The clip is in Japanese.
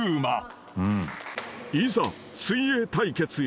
［いざ水泳対決へ。